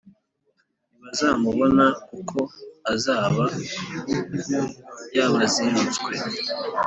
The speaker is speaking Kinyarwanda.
ntibazamubona kuko azaba yabazinutswe!